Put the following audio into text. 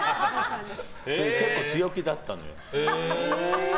結構強気だったの。